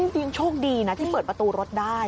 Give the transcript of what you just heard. ยังโชคดีนะที่เปิดประตูรถได้